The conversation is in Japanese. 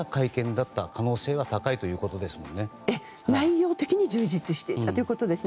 内容的に充実していたということですね。